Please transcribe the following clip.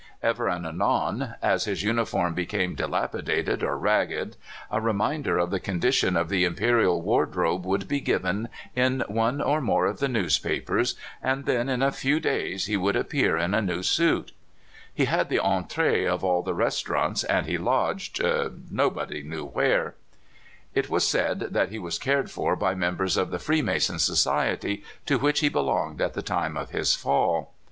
Ever and anon, as his uniform became dilapidated or ragged, a reminder of the condition of the imperial wardrobe would be given in one or more of the newspapers, and then in a few days he would appear in a new suit. He had the entree of all the restaurants, and he lodged — nobody THE EMPEROR NORTON. 21^ knew where. It was said that he was cared for by members of the Freemason society, to which he belonged at the time of his fall.